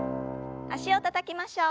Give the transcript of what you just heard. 脚をたたきましょう。